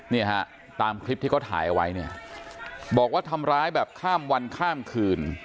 เนี่ยฮะตามคลิปที่เขาถ่ายเอาไว้เนี่ยบอกว่าทำร้ายแบบข้ามวันข้ามคืน